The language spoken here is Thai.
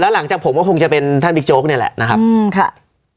หลังจากผมก็คงจะเป็นท่านบิ๊กโจ๊กนี่แหละนะครับอืมค่ะ